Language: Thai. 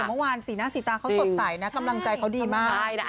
เต้มเมื่อวานสีหน้าสีตาเค้าสดใสนะกำลังใจเค้าดีมาก